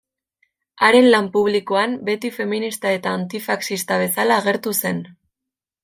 Haren lan publikoan beti feminista eta antifaxista bezala agertu zen.